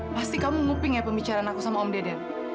pasti kamu nguping ya pembicaraan aku sama om deden